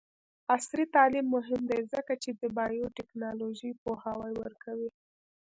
عصري تعلیم مهم دی ځکه چې د بایوټیکنالوژي پوهاوی ورکوي.